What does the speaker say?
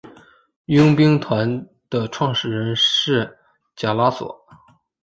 佣兵团的创始人是贾拉索。